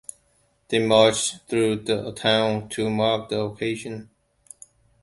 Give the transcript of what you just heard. They marched through the town to mark the occasion.